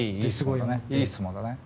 いい質問だね。